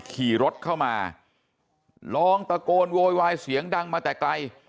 ขี่รถเข้ามาลองตะโกนโวยวายเสียงดังมาแต่ไกล